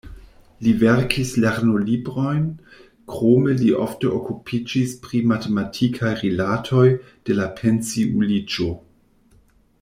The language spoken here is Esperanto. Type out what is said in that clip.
Li verkis lernolibrojn, krome li ofte okupiĝis pri matematikaj rilatoj de la pensiuliĝo.